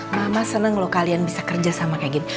mama senang loh kalian bisa kerja sama kayak gini